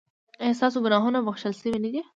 ایا ستاسو ګناهونه بښل شوي نه دي؟